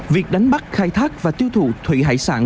việc đánh bắt khai thác và tiêu thụ thủy hải sản